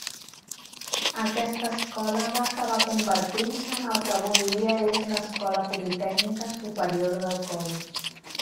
Aquesta escola va acabar convertint-se en el que avui dia és l'Escola Politècnica Superior d'Alcoi.